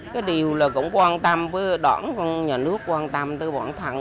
cái điều là cũng quan tâm với đoạn của nhà nước quan tâm tới bọn thân